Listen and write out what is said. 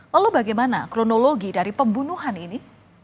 lalu bagaimana kronologi dari pembunuhan ini